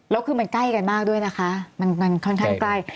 แล้วคือมันใกล้กันมากด้วยนะคะมันค่อนข้างใกล้